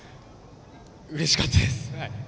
うれしかったです。